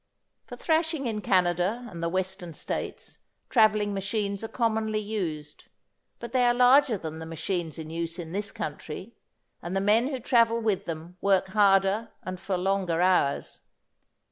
For thrashing in Canada and the Western States, travelling machines are commonly used, but they are larger than the machines in use in this country, and the men who travel with them work harder and for longer hours.